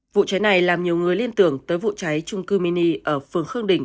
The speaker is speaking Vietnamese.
vụ cháy này làm nhiều người liên tưởng tới vụ cháy trung cư mini ở phường khương đình